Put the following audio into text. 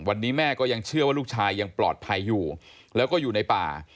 วันนี้แม่ก็ยังเชื่อว่าลูกชายยังปลอดภัยอยู่แล้วก็อยู่ในป่า